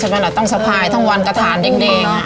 ใช่ไหมอันนั้นต้องสะพายทั้งวันกระถานเล็ก